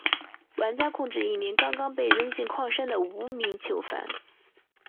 玩家控制一名刚刚被扔进矿山的无名囚犯。